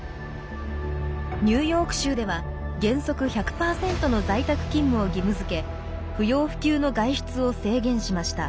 ニューヨーク州では原則１００％の在宅勤務を義務づけ不要不急の外出を制限しました。